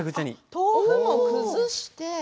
豆腐も崩して。